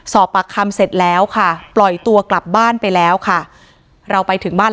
สอบปากคำเสร็จแล้วค่ะปล่อยตัวกลับบ้านไปแล้วค่ะเราไปถึงบ้าน